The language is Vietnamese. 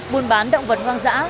buôn bán động vật hoang dã